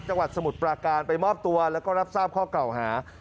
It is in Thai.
สมุทรปราการไปมอบตัวแล้วก็รับทราบข้อเก่าหา